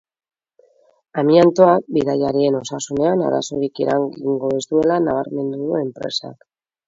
Amiantoak bidaiarien osasunean arazorik eragin ez duela nabarmendu du enpresak.